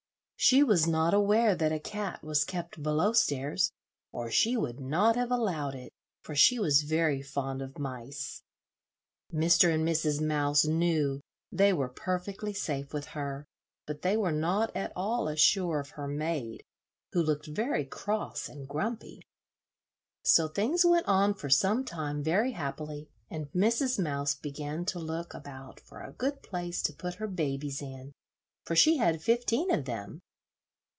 She was not aware that a cat was kept below stairs, or she would not have allowed it, for she was very fond of mice. Mr. and Mrs. Mouse knew they were perfectly safe with her, but they were not at all as sure of her maid, who looked very cross and grumpy. So things went on for some time very happily, and Mrs. Mouse began to look about for a good place to put her babies in, for she had fifteen of them.